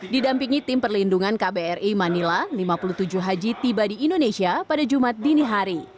didampingi tim perlindungan kbri manila lima puluh tujuh haji tiba di indonesia pada jumat dini hari